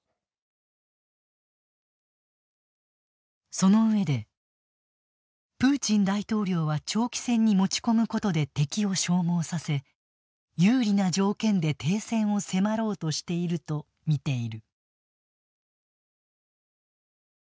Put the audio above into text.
そのうえで、プーチン大統領は長期戦に持ち込むことで敵を消耗させ有利な条件で停戦を迫ろうとしているとみている。